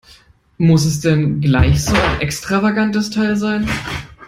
Muss es denn gleich so ein extravagantes Teil sein?